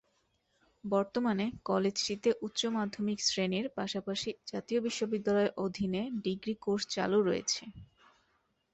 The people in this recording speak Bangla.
বর্তমানে কলেজটিতে উচ্চমাধ্যমিক শ্রেণির পাশাপাশি জাতীয় বিশ্ববিদ্যালয়ের অধীনে ডিগ্রী কোর্স চালু রয়েছে।